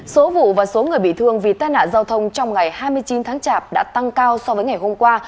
số vụ và số người bị thương vì tai nạn giao thông trong ngày hai mươi chín tháng chạp đã tăng cao so với ngày hôm qua